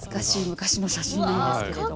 昔の写真なんですけれども。